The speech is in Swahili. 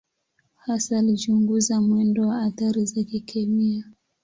Hasa alichunguza mwendo wa athari za kikemia.